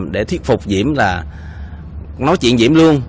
để thuyết phục diễm là nói chuyện diễm luôn